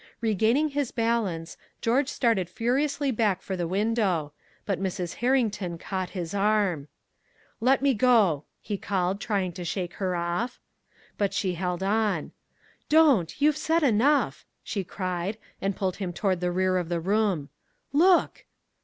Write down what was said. Regaining his balance, George started furiously back for the window; but Mrs. Herrington caught his arm. "Let me go!" he called, trying to shake her off. But she held on. "Don't you've said enough!" she cried, and pulled him toward the rear of the room. "Look!"